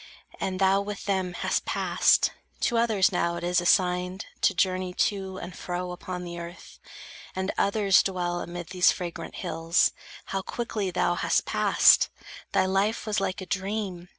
And thou with them Hast passed. To others now it is assigned To journey to and fro upon the earth, And others dwell amid these fragrant hills. How quickly thou hast passed! Thy life was like A dream.